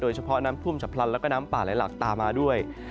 โดยเฉพาะน้ำพุ่มชะพลันและก็น้ำป่าและหลักตามาด้วย